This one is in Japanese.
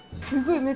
すごい！